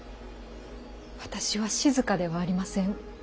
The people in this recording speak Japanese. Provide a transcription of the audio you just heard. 私は静ではありません。